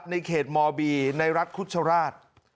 ในเขตมบีในรัฐคุชราช